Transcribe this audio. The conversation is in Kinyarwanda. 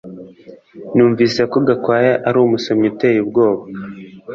Numvise ko Gakwaya ari umusomyi uteye ubwoba